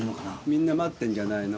みんな待ってるんじゃないの？